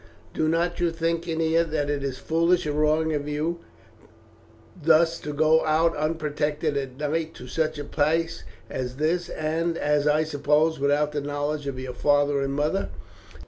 "Do not you think, Ennia, that it is foolish and wrong of you thus to go out unprotected at night to such a place as this, and, as I suppose, without the knowledge of your father and mother?"